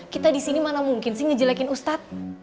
kita di sini mana mungkin sih ngejelekin ustadz